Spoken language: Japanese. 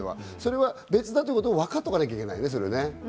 それは別だということを分かっておかなきゃいけないね。